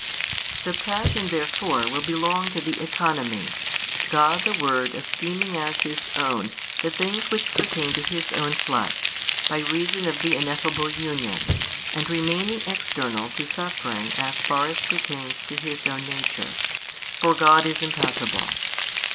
The Passion therefore will belong to the Economy, God the Word esteeming as His own the things which pertain to His own Flesh, by reason of the Ineffable Union, and remaining external to suffering as far as pertains to His own Nature, for God is Impassible.